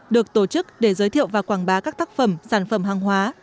được tổ chức để giới thiệu và quảng bá các tác phẩm sản phẩm hàng hóa